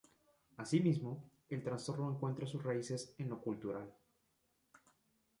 Asimismo, el trastorno encuentra sus raíces en lo cultural.